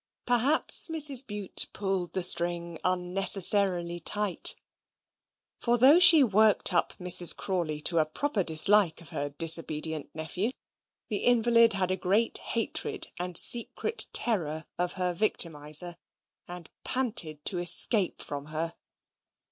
Perhaps Mrs. Bute pulled the string unnecessarily tight. For though she worked up Miss Crawley to a proper dislike of her disobedient nephew, the invalid had a great hatred and secret terror of her victimizer, and panted to escape from her.